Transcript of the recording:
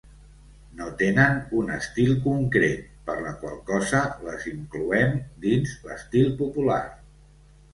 No tenen un estil concret per la qual cosa les incloem dins l'estil popular.